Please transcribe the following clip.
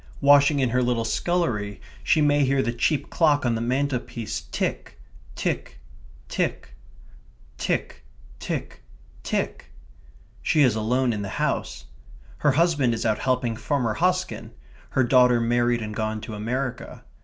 Washing in her little scullery, she may hear the cheap clock on the mantelpiece tick, tick, tick ... tick, tick, tick. She is alone in the house. Her husband is out helping Farmer Hosken; her daughter married and gone to America.